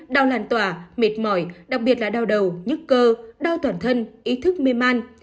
đau làn tỏa mệt mỏi đặc biệt là đau đầu nhức cơ đau toàn thân ý thức mê man